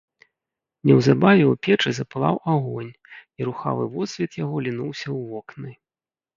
Неўзабаве ў печы запалаў агонь, і рухавы водсвет яго лінуўся ў вокны.